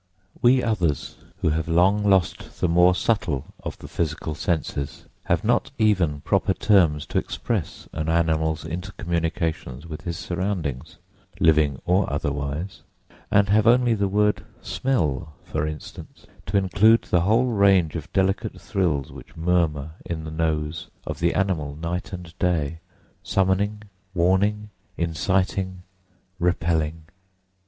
We others, who have long lost the more subtle of the physical senses, have not even proper terms to express an animal's inter communications with his surroundings, living or otherwise, and have only the word "smell," for instance, to include the whole range of delicate thrills which murmur in the nose of the animal night and day, summoning, warning, inciting, repelling.